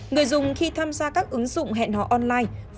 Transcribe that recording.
người dùng khi tham gia các ứng dụng hẹn họ online